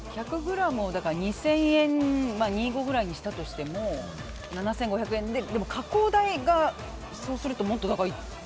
１００ｇを２０００円２５００くらいにしたとしても７５００円で、でも加工代がそうするともっと高い。